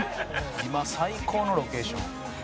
「今最高のロケーション」